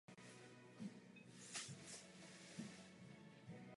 Malý Joseph hrál od dětství pod vedením svého otce na klavír a na housle.